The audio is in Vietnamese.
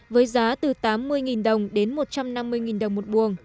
với giá từ tám mươi đồng đến một trăm năm mươi đồng một buồng